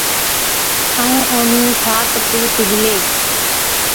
ائُون اونهُون سات پُوت هِلي۔